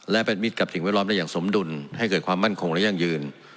และเป็นมิตรกับสิ่งแวดล้อมได้อย่างสมดุลให้เกิดความมั่นคงและยั่งยืน